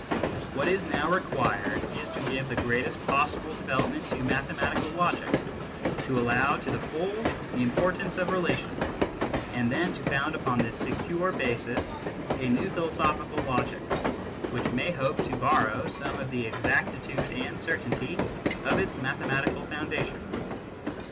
What is now required is to give the greatest possible development to mathematical logic, to allow to the full the importance of relations, and then to found upon this secure basis a new philosophical logic, which may hope to borrow some of the exactitude and certainty of its mathematical foundation.